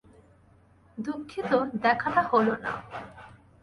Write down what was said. দুঃখিত দেখাটা হলো না।